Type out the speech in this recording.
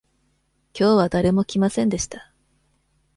きょうは誰も来ませんでした。